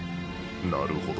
なるほど。